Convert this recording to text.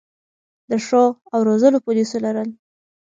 د ښو او روزلو پولیسو لرل